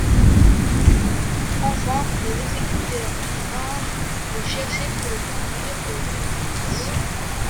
Enfin, les exécuteurs vinrent le chercher pour le conduire au lieu du supplice.